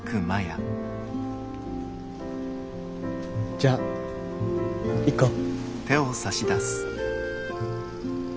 じゃ行こう。